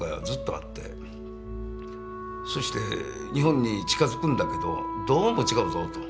そして日本に近づくんだけどどうも違うぞと。